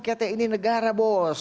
katanya ini negara bos